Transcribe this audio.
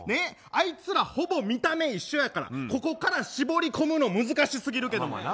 あいつらほぼ見た目一緒やからここから絞り込むの難しすぎるけども。